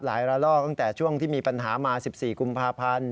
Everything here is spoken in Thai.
ละลอกตั้งแต่ช่วงที่มีปัญหามา๑๔กุมภาพันธ์